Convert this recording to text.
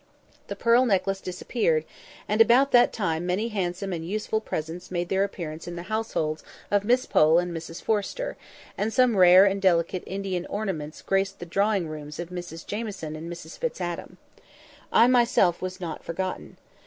The pearl necklace disappeared; and about that time many handsome and useful presents made their appearance in the households of Miss Pole and Mrs Forrester; and some rare and delicate Indian ornaments graced the drawing rooms of Mrs Jamieson and Mrs Fitz Adam. I myself was not forgotten.